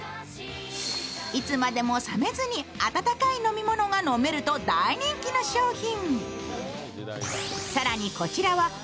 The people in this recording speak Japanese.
いつまでも冷めずに温かい飲み物が飲めると大人気の商品。